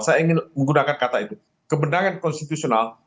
saya ingin menggunakan kata itu kebenangan konstitusional